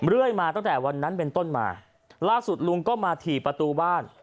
เรื่อยมาตั้งแต่วันนั้นเป็นต้นมาล่าสุดลุงก็มาถี่ประตูบ้าน